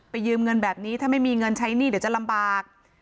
ยืมเงินแบบนี้ถ้าไม่มีเงินใช้หนี้เดี๋ยวจะลำบาก